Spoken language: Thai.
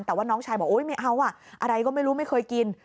แต่ว่าน้องชายบอกโอ๊ยไม่เอาอ่ะอะไรก็ไม่รู้ไม่เคยกิน